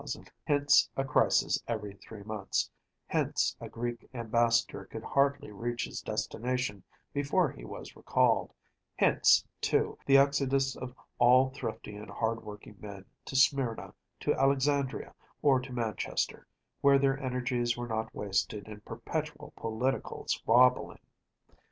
Hence a crisis every three months; hence a Greek ambassador could hardly reach his destination before he was recalled; hence, too, the exodus of all thrifty and hard working men to Smyrna, to Alexandria, or to Manchester, where their energies were not wasted in perpetual political squabbling.